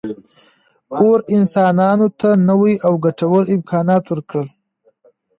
اور انسانانو ته نوي او ګټور امکانات ورکړل.